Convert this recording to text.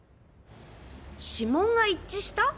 指紋が一致した？